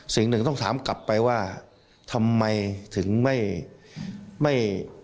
สิ่งหนึ่งต้องถามกลับไปว่าทำไมถึงไม่ไม่